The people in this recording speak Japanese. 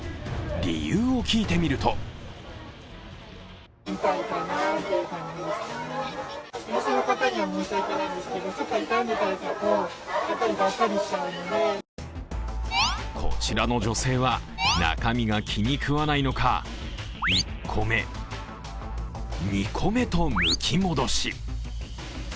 理由を聞いてみるとこちらの女性は、中身が気に食わないのか１個目、２個目とむき戻し。